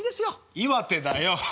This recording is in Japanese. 岩手だよ！